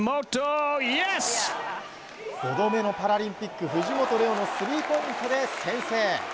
５度目のパラリンピック、藤本怜央のスリーポイントで先制。